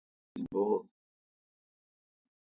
کار ے شہ این بو۔